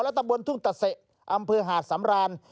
ตำบลทุ่งตะเสะอำเภอหาดสำราน